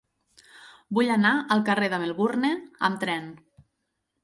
Vull anar al carrer de Melbourne amb tren.